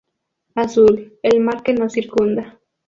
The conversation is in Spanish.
Azul: el mar que nos circunda.